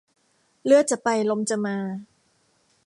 เลือดจะไปลมจะมา